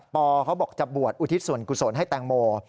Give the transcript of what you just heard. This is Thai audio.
เขาบอกจะบวชอุทิศส่วนกุศลให้แตงโม